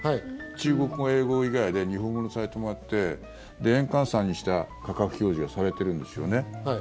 中国語、英語以外で日本語のサイトもあって円換算にした価格表示がされてるんですよね。